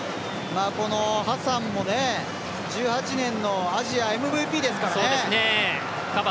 ハサンも１８年のアジアＭＶＰですからね。